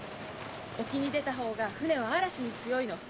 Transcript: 沖に出たほうが船は嵐に強いの。